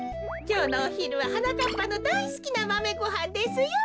きょうのおひるははなかっぱのだいすきなマメごはんですよ。